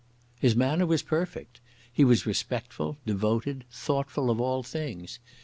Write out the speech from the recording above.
His manner was perfect. He was respectful, devoted, thoughtful of all things.